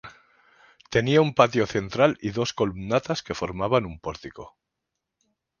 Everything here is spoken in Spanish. Tenía un patio central y dos columnatas que formaban un pórtico.